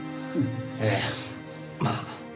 ええまあ。